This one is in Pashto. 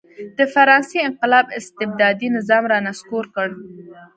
د فرانسې انقلاب استبدادي نظام را نسکور کړ.